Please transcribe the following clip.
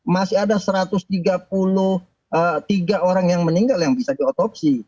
masih ada satu ratus tiga puluh tiga orang yang meninggal yang bisa diotopsi